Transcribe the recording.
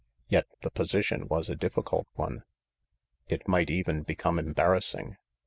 Yet the position was a difficult one. It might even become embarrassing.